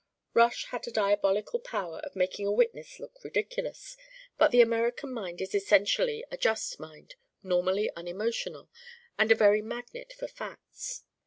Rush had a diabolical power of making a witness look ridiculous, but the American mind is essentially a just mind, normally unemotional, and a very magnet for facts.